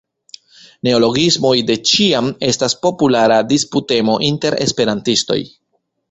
Neologismoj de ĉiam estas populara disputtemo inter esperantistoj.